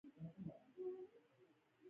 کلي د افغانستان د اقلیم یوه ځانګړتیا ده.